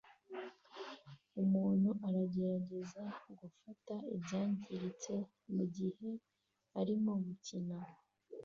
Umuntu aragerageza gufata ibyangiritse mugihe arimo gukina